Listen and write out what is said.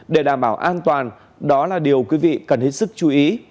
để đảm bảo an toàn đó là điều quý vị cần hết sức chú ý